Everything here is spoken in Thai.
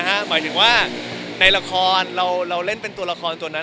หมายถึงว่าในละครเราเล่นเป็นตัวละครตัวนั้น